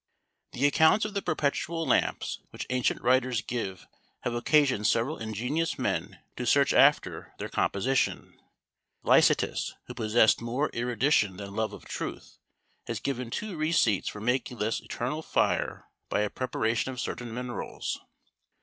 The accounts of the perpetual lamps which ancient writers give have occasioned several ingenious men to search after their composition. Licetus, who possessed more erudition than love of truth, has given two receipts for making this eternal fire by a preparation of certain minerals.